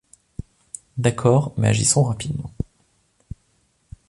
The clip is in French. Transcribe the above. D’accord, mais agissons rapidement.